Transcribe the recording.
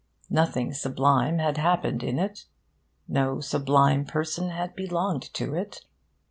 Nothing sublime had happened in it. No sublime person had belonged to it.